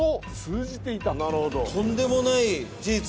とんでもない事実ですね。